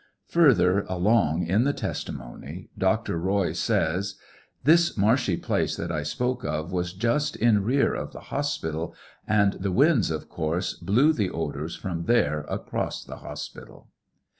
Further along in the testimony Dr. Roy says : This marshy place that I spoke of was just in rear of the hospital, and the winds, of course, blew the odors from there across the hospital.